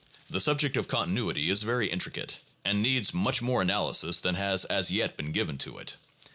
The subject of continuity is very intricate, and needs much more analysis than has as yet been given to it.